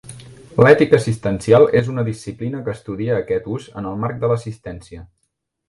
L'ètica assistencial és una disciplina que estudia aquest ús en el marc de l'assistència.